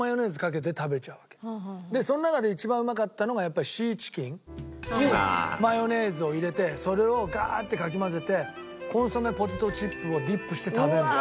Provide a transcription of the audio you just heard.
その中で一番うまかったのがやっぱりシーチキン。にマヨネーズを入れてそれをガーッてかき混ぜてコンソメポテトチップをディップして食べるんだよ。